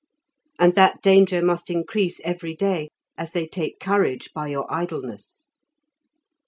And that danger must increase every day as they take courage by your idleness."